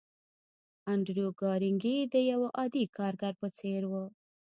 انډريو کارنګي د يوه عادي کارګر په څېر و.